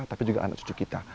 tapi juga anak cucu kita